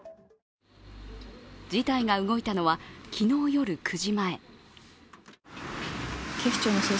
事態が動いたのは昨日夜９時前。